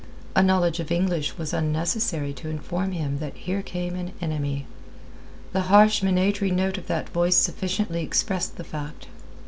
A knowledge of English was unnecessary to inform him that here came an enemy. The harsh, minatory note of that voice sufficiently expressed the fact.